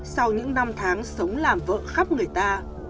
sau những năm tháng sống làm vợ khắp người ta